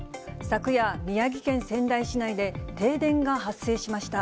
昨夜、宮城県仙台市内で停電が発生しました。